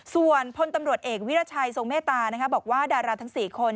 ส่วนพลตำรวจเอกวิรัชัยทรงเมตตาบอกว่าดาราทั้ง๔คน